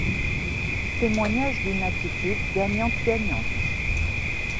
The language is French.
Témoignage d’une attitude gagnante - gagnante.